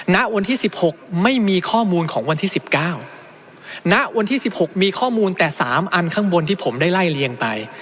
ณวันที่๑๖ไม่มีข้อมูลของวันที่๑๙ณวันที่สิบหกมีข้อมูลแต่๓อันข้างบนที่ผมได้ไล่เลียงไป